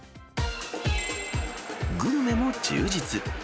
グルメも充実。